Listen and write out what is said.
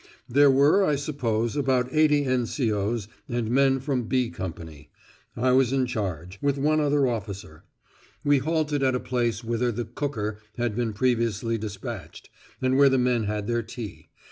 There were, I suppose, about eighty N.C.O.'s and men from "B" Company. I was in charge, with one other officer. We halted at a place whither the "cooker" had been previously despatched, and where the men had their tea.